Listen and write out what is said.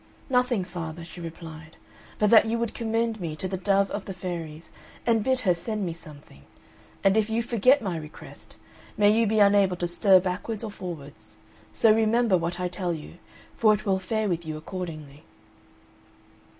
"Nothing, father," she replied, "but that you commend me to the Dove of the Fairies, and bid her send me something; and if you forget my request, may you be unable to stir backwards or forwards; so remember what I tell you, for it will fare with you accordingly."